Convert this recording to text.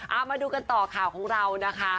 เอามาดูกันต่อข่าวของเรานะคะ